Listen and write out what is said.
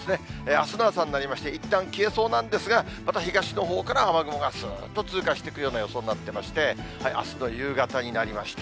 あすの朝になりまして、いったん消えそうなんですが、また東のほうから雨雲がすーっと通過していくような予想になってまして、あすの夕方になりました。